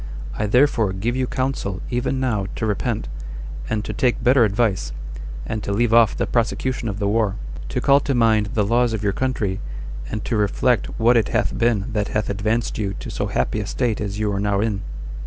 I therefore give you counsel even now to repent, and to take better advice, and to leave off the prosecution of the war; to call to mind the laws of your country, and to reflect what it hath been that hath advanced you to so happy a state as you are now in."